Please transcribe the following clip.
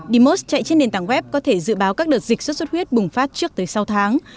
demos chạy trên nền tảng web có thể dự báo các đợt dịch xuất xuất huyết bùng phát trước tới sáu tháng